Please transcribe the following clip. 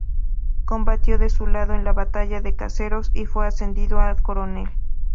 Combatió de su lado en la batalla de Caseros, y fue ascendido a coronel.